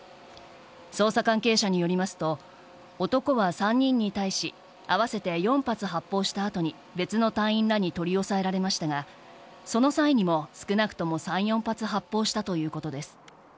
捜査関係者によりますと男は３人に対し合わせて４発発砲した後に別の隊員らに取り押さえられましたがその際にも少なくとも３４発発砲したということです。